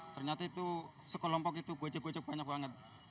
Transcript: ternyata itu sekelompok itu gojek gojek banyak banget